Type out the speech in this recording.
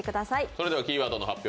それではキーワードの発表